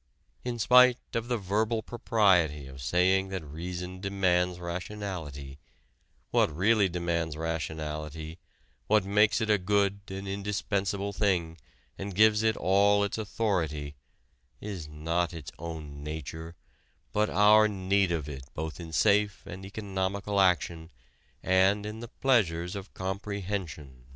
In spite of the verbal propriety of saying that reason demands rationality, what really demands rationality, what makes it a good and indispensable thing and gives it all its authority, is not its own nature, but our need of it both in safe and economical action and in the pleasures of comprehension."